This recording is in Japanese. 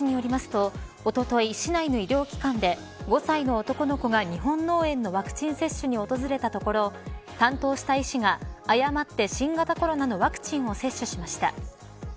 羽島市によりますと、おととい市内の医療機関で５歳の男の子が日本脳炎のワクチン接種に訪れたところ担当した医師が誤って新型コロナのワクチンを接種しました。